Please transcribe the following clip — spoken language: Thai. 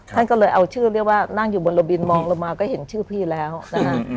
ท่านก็เลยเอาชื่อเรียกว่านั่งอยู่บนระบินมองลงมาก็เห็นชื่อพี่แล้วนะฮะ